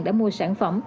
đã mua sản phẩm